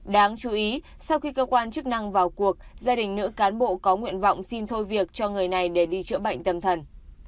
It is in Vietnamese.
đáng chú ý sau khi cơ quan chức năng vào cuộc gia đình nữ cán bộ có nguyện vọng xin thôi việc cho người này để đi chữa bệnh tâm thần